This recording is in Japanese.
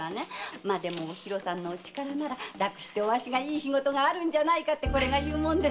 まぁでもひろさんのお力なら楽してお足がいい仕事があるんじゃないかってこれが言うもんですから。